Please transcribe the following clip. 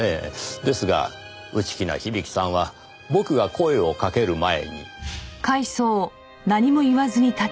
ですが内気な響さんは僕が声をかける前に。